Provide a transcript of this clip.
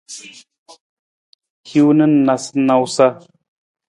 Hiwung na nawusanawusa.